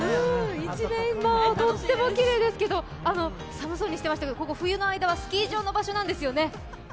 一面とってもきれいですけど寒そうにしてましたけどここ、冬の間はスキー場の場所なんですよね。